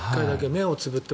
目をつぶって。